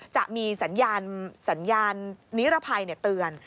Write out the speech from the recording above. จะมีสัญญาณนิรภัยเตือน